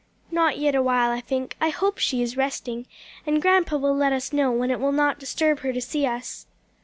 "Not yet awhile, I think I hope she is resting; and grandpa will let us know when it will not disturb her to see us."